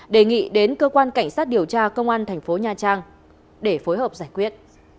đề nghị đến cơ quan cảnh sát điều tra công an thành phố nha trang để phối hợp giải quyết